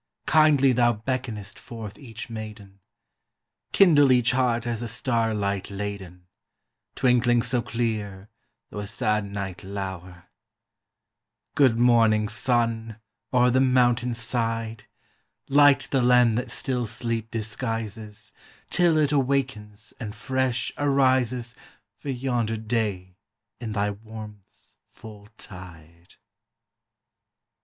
Kindly thou beckonest forth each maiden; Kindle each heart as a star light laden, Twinkling so clear, though a sad night lower! Good morning, sun, o'er the mountain side! Light the land that still sleep disguises Till it awakens and fresh arises For yonder day in thy warmth's full tide!